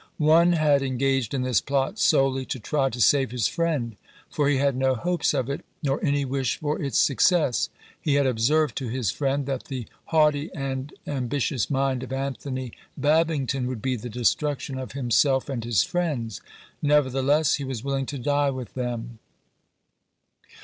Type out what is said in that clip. One had engaged in this plot solely to try to save his friend, for he had no hopes of it, nor any wish for its success; he had observed to his friend, that the "haughty and ambitious mind of Anthony Babington would be the destruction of himself and his friends;" nevertheless he was willing to die with them!